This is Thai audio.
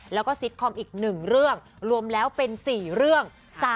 แล้วก็ซิตคอมอีก๑เรื่องรวมแล้วเป็น๔เรื่อง